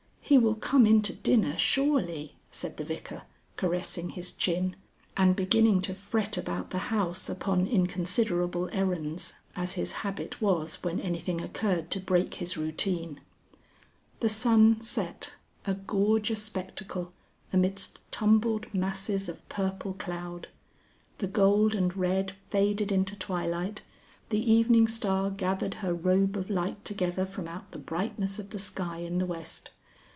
"He will come in to dinner, surely," said the Vicar, caressing his chin, and beginning to fret about the house upon inconsiderable errands, as his habit was when anything occurred to break his routine. The sun set, a gorgeous spectacle, amidst tumbled masses of purple cloud. The gold and red faded into twilight; the evening star gathered her robe of light together from out the brightness of the sky in the West.